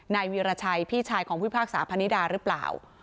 ในวีรชัยพี่ชายของพุทธภาคสาพนิดาหรือเปล่า